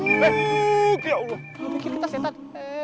ya allah ngapain kita setan